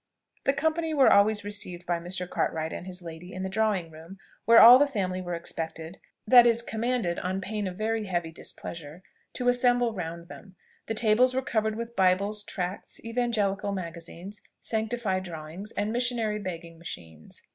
The company were always received by Mr. Cartwright and his lady in the drawing room, where all the family were expected (that is, commanded on pain of very heavy displeasure) to assemble round them. The tables were covered with bibles, tracts, Evangelical Magazines, sanctified drawings, and missionary begging machines.